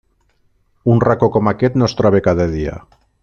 Un racó com aquest no es troba cada dia.